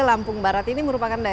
yang orang ke betul laba